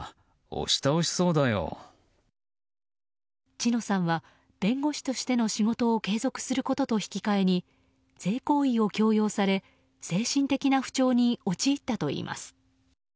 知乃さんは弁護士としての仕事を継続することと引き換えに性行為を強要され精神的な不調に陥ったといいます。